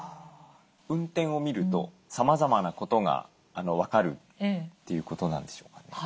運転を見るとさまざまなことが分かるということなんでしょうかね？